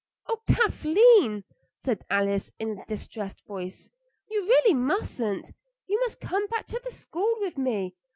"Oh, Kathleen!" said Alice in a distressed voice, "you really mustn't. You must come back to the school with me.